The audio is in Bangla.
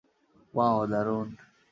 ওয়াও, দারুণ!